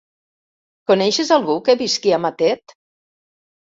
Coneixes algú que visqui a Matet?